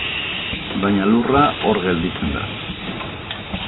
Baina lurra, hor gelditzen da.